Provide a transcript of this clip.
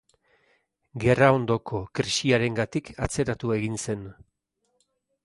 Gerra ondoko krisiarengatik atzeratu egin zen.